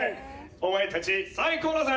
「お前たち最高だぜ！」